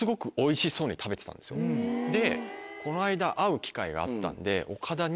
でこの間会う機会があったんで岡田に。